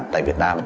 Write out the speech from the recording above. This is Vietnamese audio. tại việt nam